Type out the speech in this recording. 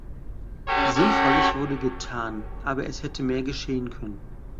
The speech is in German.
Sinnvolles wurde getan, aber es hätte mehr geschehen können.